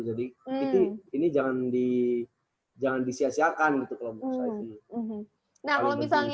jadi ini jangan disiasiakan gitu kalau misalnya